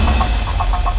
masalah kenapa sih aneh banget